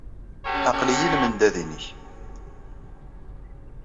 Aql-iyi i lmendad-nnek.